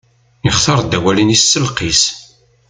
Yextar-d awalen-is s lqis.